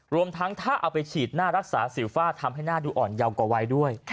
รวมทั้งถ้าเอาไปฉีดหน้ารักษาสิวฝ้าทำให้หน้าดูอ่อนเยาวกว่าวัยด้วย